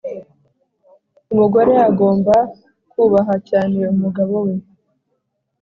umugore agomba kubaha cyane umugabo we